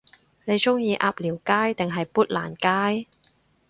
你鍾意鴨寮街定係砵蘭街？